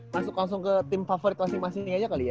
masuk langsung ke tim favorit masing masing nih aja kali ya